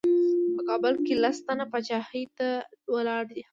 په کابل کې لس تنه پاچاهۍ ته ولاړ دي.